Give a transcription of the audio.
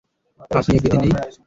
আপনি এফবিতে নেই?